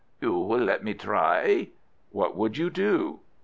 "You will let me try?" "What would you do?"